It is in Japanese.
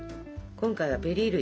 今回はベリー類。